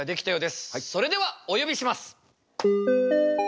それではお呼びします！